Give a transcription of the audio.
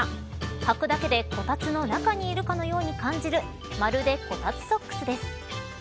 はくだけでこたつの中にいるように感じるまるでこたつソックスです。